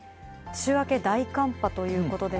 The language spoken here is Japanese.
週明け大寒波ということです